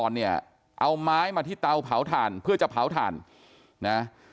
เนี่ยเอาไม้มาที่เตาเผาถ่านเพื่อจะเผาถ่านนะ